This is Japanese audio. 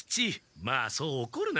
まあそうおこるな。